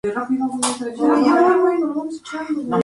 En ese punto el poema se interrumpe abruptamente.